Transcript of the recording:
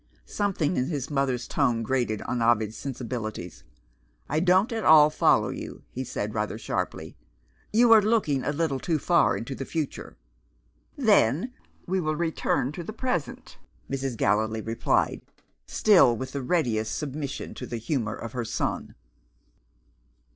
Something in his mother's tone grated on Ovid's sensibilities. "I don't at all follow you," he said, rather sharply; "you are looking a little too far into the future." "Then we will return to the present," Mrs. Gallilee replied still with the readiest submission to the humour of her son.